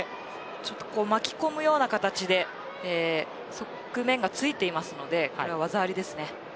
少し巻き込むような形で側面がついているのでこれは技ありです。